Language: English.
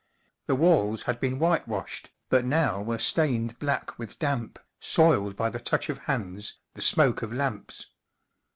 The walls had been whitewashed, but now were stained black with damp, soiled by the touch of hands, the smoke of lamps.